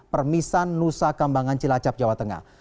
permisan nusa kambangan cilacap jawa tengah